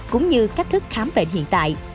cũng như cách thức khám bệnh hiện tại